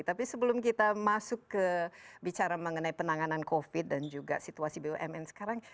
tapi sebelum kita masuk ke bicara mengenai penanganan covid dan juga situasi bumn sekarang